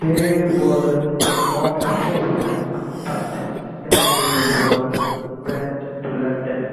They were not approved, but then they were sent to London.